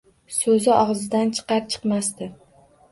So‘zi og‘zidan chiqar-chiqmasdi